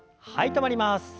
止まります。